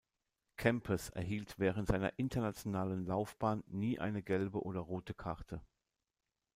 Kempes erhielt während seiner internationalen Laufbahn nie eine gelbe oder rote Karte.